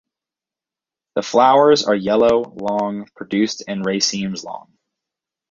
The flowers are yellow, long, produced in racemes long.